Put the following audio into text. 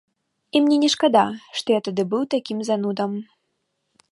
І мне не шкада, што я тады быў такім занудам.